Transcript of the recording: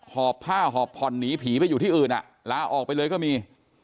หอบผ้าหอบผ่อนหนีผีไปอยู่ที่อื่นลาออกไปเลยก็มี